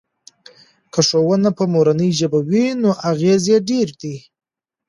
که ښوونه په مورنۍ ژبه وي نو اغیز یې ډیر دی.